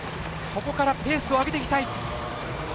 ここからペースを上げていきたい。